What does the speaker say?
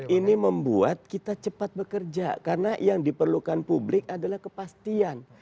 ini membuat kita cepat bekerja karena yang diperlukan publik adalah kepastian